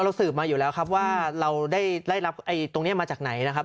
สืบมาอยู่แล้วครับว่าเราได้รับตรงนี้มาจากไหนนะครับ